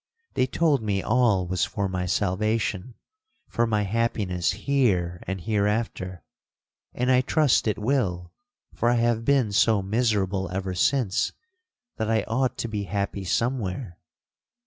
They told me all was for my salvation, for my happiness here and hereafter—and I trust it will, for I have been so miserable ever since, that I ought to be happy somewhere.'